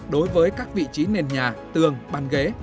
đối với các vị trí nền nhà tường bàn ghế